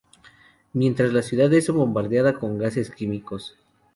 Mientras, la ciudad es bombardeada con gases químicos.